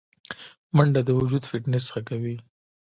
منډه د وجود فټنس ښه کوي